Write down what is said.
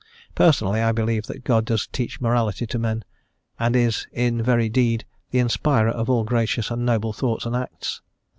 Personally, I believe that God does teach morality to man, and is, in very deed, the Inspirer of all gracious and noble thoughts and acts.